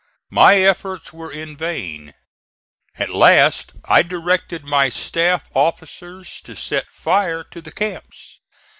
My efforts were in vain. At last I directed my staff officers to set fire to the camps.